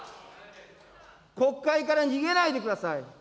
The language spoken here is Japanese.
国会から逃げないでください。